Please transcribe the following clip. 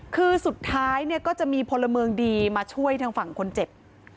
คือสุดท้ายเนี่ยก็จะมีพลเมืองดีมาช่วยทางฝั่งคนเจ็บ